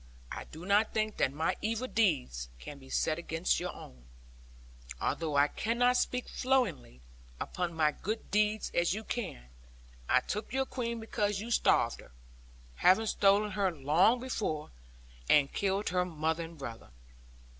I do not think that my evil deeds can be set against your own; although I cannot speak flowingly upon my good deeds as you can. I took your Queen because you starved her, having stolen her long before, and killed her mother and brother.